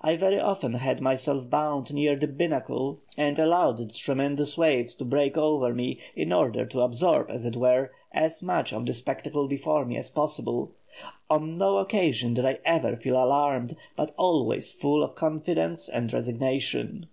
I very often had myself bound near the binnacle, and allowed the tremendous waves to break over me, in order to absorb, as it were, as much of the spectacle before me as possible; on no occasion did I ever feel alarmed, but always full of confidence and resignation."